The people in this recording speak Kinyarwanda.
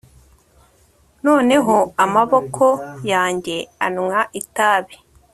noneho amaboko yanjye anywa itabi